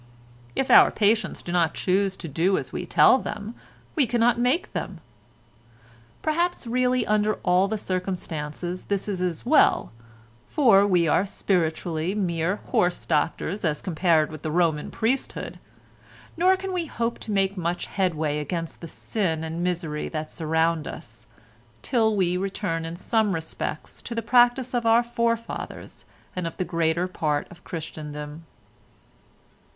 If our patients do not choose to do as we tell them, we cannot make them. Perhaps really under all the circumstances this is as well, for we are spiritually mere horse doctors as compared with the Roman priesthood, nor can we hope to make much headway against the sin and misery that surround us, till we return in some respects to the practice of our forefathers and of the greater part of Christendom."